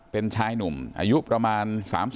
เป็นชายหนุ่มอายุประมาณ๓๐